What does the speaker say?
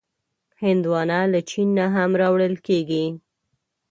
هندوانه له چین نه هم راوړل کېږي.